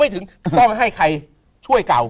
ถึงต้องให้ใครช่วยเก่า